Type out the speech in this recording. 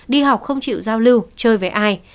đi học không chịu giao lưu chơi với ai